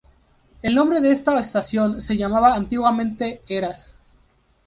El nombre de esta estación, se llamaba antiguamente Heras.